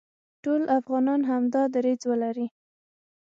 ټول افغانان همدا دریځ ولري،